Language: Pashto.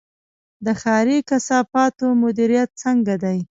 د ښاري کثافاتو مدیریت څنګه دی؟